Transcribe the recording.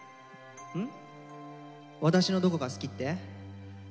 うん？